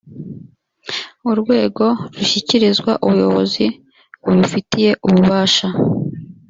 urwego rushyikirizwa ubuyobozi bubifitiye ububasha